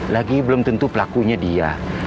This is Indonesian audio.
lagi belum tentu pelakunya dia